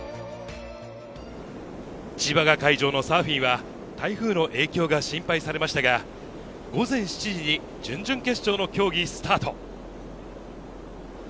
千葉が会場のサーフィンは台風の影響が心配されましたが、午前７時に準々決勝の競技スタート。